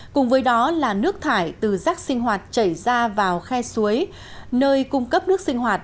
cùng với đó là nước thải từ rác sinh hoạt chảy ra vào khe suối nơi cung cấp nước sinh hoạt